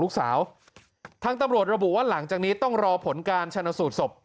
ลูกสาวทางตำรวจระบุว่าหลังจากนี้ต้องรอผลการชนะสูตรศพ